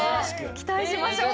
期待しましょう。